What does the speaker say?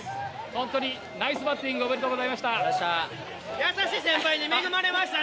本当にナイスバッティング、ありがとうございました。